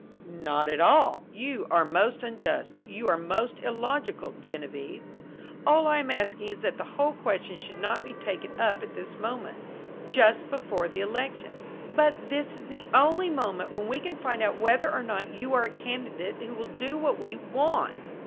"Not at all. You are most unjust. You are most illogical, Geneviève. All I am asking is that the whole question should not be taken up at this moment just before election." "But this is the only moment when we can find out whether or not you are a candidate who will do what we want."